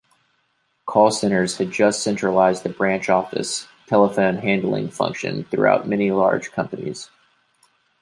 Call centers had just centralized the branch-office telephone handling function throughout many large companies.